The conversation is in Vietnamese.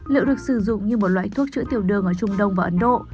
liệu được sử dụng như một loại thuốc chữa tiểu đường ở trung đông và ấn độ